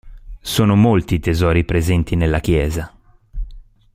Sono molti i tesori presenti nella chiesa.